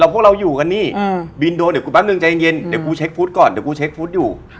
พวกเราอยู่กันนี่บินโดนเดี๋ยวกูแป๊บนึงใจเย็นเดี๋ยวกูเช็คฟุตก่อนเดี๋ยวกูเช็คฟุตอยู่